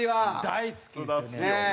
大好きですよね。